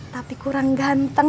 tapi kurang ganteng